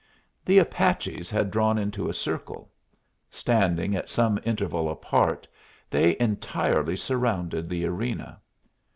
The Apaches had drawn into a circle. Standing at some interval apart, they entirely surrounded the arena.